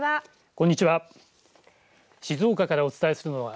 こんにちは。